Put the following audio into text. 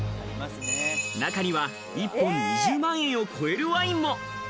中には一本２０万円を超えるワインも。